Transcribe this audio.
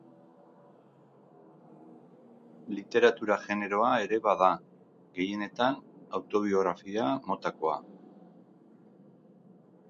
Literatura generoa ere bada, gehienetan autobiografia motakoa.